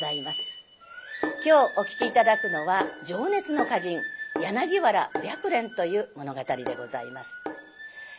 今日お聴き頂くのは「情熱の歌人柳原白蓮」という物語でございます。